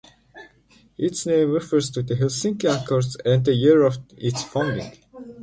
Its name refers to the Helsinki Accords and the year of its founding.